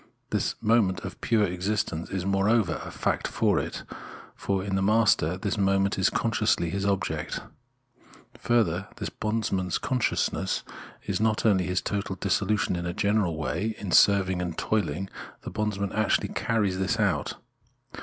This moment of pure self existence is moreover a fact for it; for in the master this moment is consciously his object. Further, this bondsman's consciousness is not only this total dissolution in a general way; in serving and toiling, the bondsman actually carries this out.